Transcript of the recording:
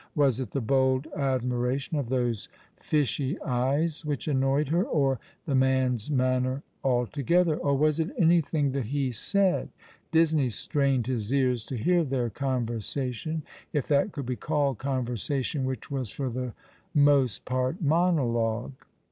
AVas it the bold admiration of those fishy eyes which annoyed her, or the man's manner altogether; or was it anything that ho 122 All along the River, eaid ? Disney strained his ears to hear their conversation, if that could be called conyersation which was for the most part monologue.